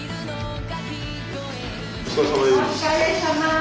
お疲れさまです。